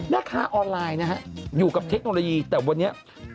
แม่ค้าออนไลน์นะฮะอยู่กับเทคโนโลยีแต่วันนี้